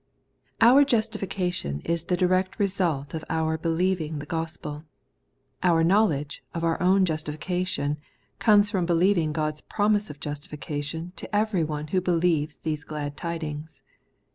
I i^UE justification is the direct result of our be ^^ lieving the gospel ; our .knowledge of our own justification comes from our believing God's promise of justification to every one who believes these glad tidings.